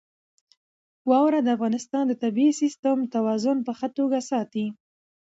واوره د افغانستان د طبعي سیسټم توازن په ښه توګه ساتي.